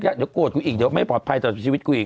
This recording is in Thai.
เดี๋ยวโกรธกูอีกเดี๋ยวไม่ปลอดภัยต่อชีวิตกูอีก